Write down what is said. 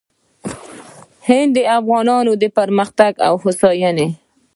هند د افغانانو د پرمختګ او هوساینې